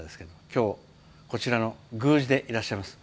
今日、こちらの宮司でいらっしゃいます